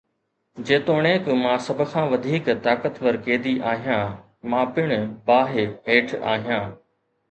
جيتوڻيڪ مان سڀ کان وڌيڪ طاقتور قيدي آهيان، مان پڻ باهه هيٺ آهيان